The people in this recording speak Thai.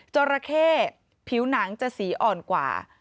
จราเข้ผิวหนังจะสีอ่อนกว่า